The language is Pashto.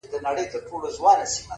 څه یې مسجد دی څه یې آذان دی-